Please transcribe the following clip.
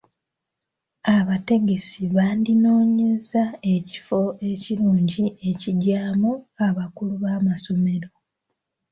Abategesi bandinoonyezza ekifo ekirungi ekigyamu abakulu b'amasomero.